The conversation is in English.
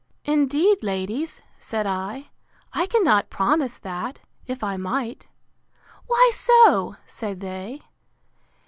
Indeed, ladies, said I, I cannot promise that, if I might.—Why so? said they.